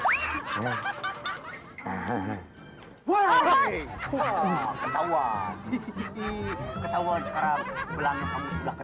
kamu ini nggak banyak yang usah kan miripnya hidup kamu